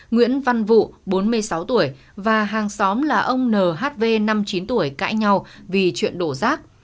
nguyễn văn vụ bốn mươi sáu tuổi và hàng xóm là ông nhv năm mươi chín tuổi cãi nhau vì chuyện đổ rác